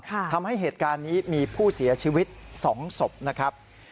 ทำให้เหตุการณ์นี้มีผู้เสียชีวิตสองศพนะครับ